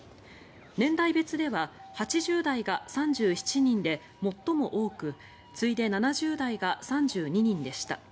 年代別では８０代が３７人で最も多く次いで７０代が３２人でした。